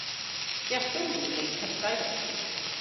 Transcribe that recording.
Fe allwn ni wneud pethau felly.